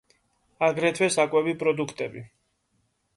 აგრეთვე საკვები პროდუქტები.